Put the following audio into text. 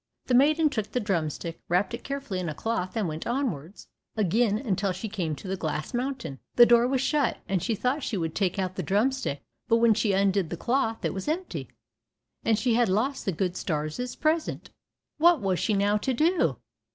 The maiden took the drumstick, wrapped it carefully in a cloth, and went onwards again until she came to the Glass mountain. The door was shut, and she thought she would take out the drumstick; but when she undid the cloth, it was empty, and she had lost the good star's present. What was she now to do?